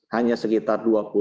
hanya sekitar dua puluh